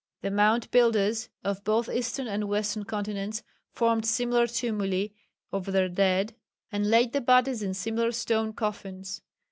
The mound builders of both eastern and western continents formed similar tumuli over their dead, and laid the bodies in similar stone coffins.